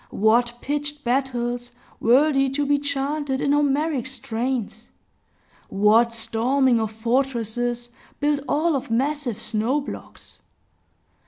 What pitched battles, worthy to be chanted in Homeric strains! What storming of fortresses, built all of massive snowblocks!